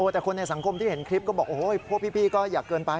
แต่คนในสังคมที่เห็นคลิปก็บอกโอ้โหพวกพี่ก็อยากเกินไป